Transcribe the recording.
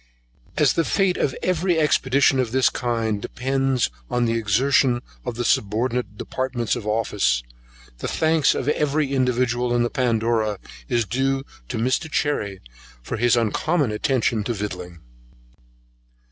As the fate of every expedition of this kind depends much on the exertion of the subordinate departments of office, the thanks of every individual in the Pandora is due to Mr. Cherry, for his uncommon attention to the victualling.